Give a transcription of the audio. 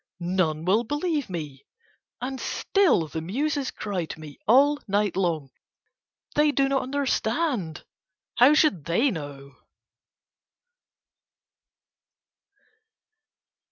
None will believe me." And still the Muses cry to me all night long. They do not understand. How should they know?